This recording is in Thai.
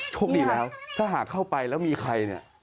โชคดีแล้วถ้าหากเข้าไปแล้วมีใครเนี่ย